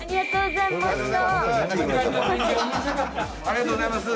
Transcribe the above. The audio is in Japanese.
ありがとうございます。